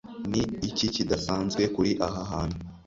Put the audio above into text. ni iki kidasanzwe kuri aha hantu